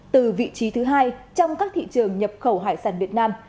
từ vị trí thứ hai trong các thị trường nhập khẩu hải sản việt nam